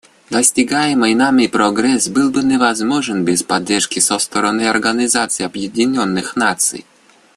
Достигаемый нами прогресс был бы невозможен без поддержки со стороны Организации Объединенных Наций.